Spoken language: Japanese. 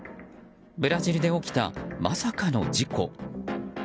ブラジルで起きた、まさかの事故。